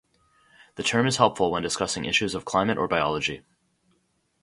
The term is helpful when discussing issues of climate or biology.